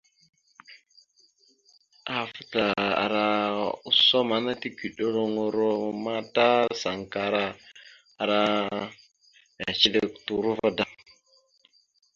Ahaf atəlar ara osom ana tigeɗoloŋoro ma ta sankara ara mehəciɗek turova da.